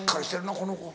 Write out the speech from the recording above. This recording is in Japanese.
この子。